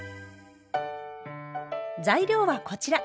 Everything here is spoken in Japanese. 材料はこちら。